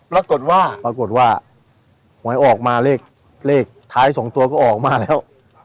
ปรากฏว่าปรากฏว่าหวยออกมาเลขท้าย๒ตัวก็ออกมาแล้ว